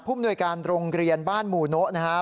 มนวยการโรงเรียนบ้านหมู่โนะนะครับ